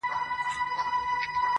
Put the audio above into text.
او حالت سختيږي.